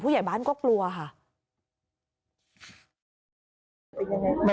ใหญ่บ้านก็กลัวค่ะ